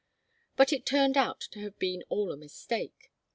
But it turned out to have been all a mistake.